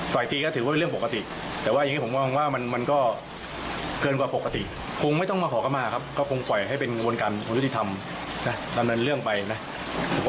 ต่อยตีก็ถือว่าเป็นเรื่องปกติแต่ว่าอย่างงี้ผมว่ามันว่ามันมันก็